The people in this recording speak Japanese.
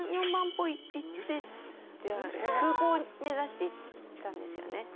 ３、４万歩いって、空港目指して行ったんですよね。